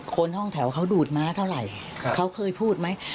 ห้องแถวเขาดูดม้าเท่าไหร่เขาเคยพูดไหม